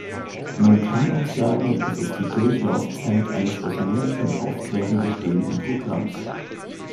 Man kann auch sagen, es ist die Durchlaufzeit eines aus mehreren Aufträgen bestehenden Programms.